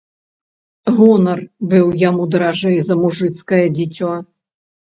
Гонар быў яму даражэй за мужыцкае дзіцё.